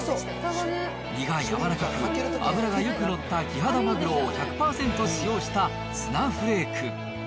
身が柔らかく、脂がよく乗ったキハダマグロを１００％使用したツナフレーク。